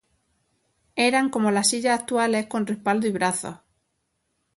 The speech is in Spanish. Eran como las sillas actuales con respaldo y brazos.